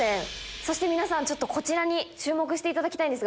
そして皆さんこちらに注目していただきたいんです。